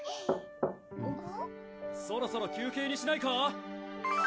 そろそろ休憩にしないか？